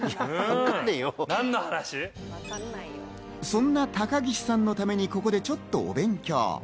そんな高岸さんのためにここでちょっとお勉強。